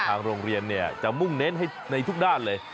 ทางโรงเรียนจะมุ่งเน้นให้ในทุกด้านเลย